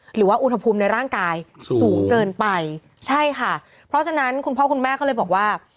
หรือว่าอุณหภูมิในร่างกายสูงเกินไปใช่ค่ะเพราะฉะนั้นคุณพ่อคุณแม่ก็เลยบอกว่า